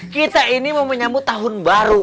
kita ini mau menyambut tahun baru